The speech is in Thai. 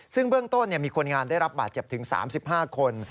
ซึ่งเบื้องต้นมีคนงานได้รับบาดเจ็บถึง๓๕คน